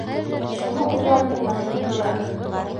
Шуны уйланыңмы һин, дурак?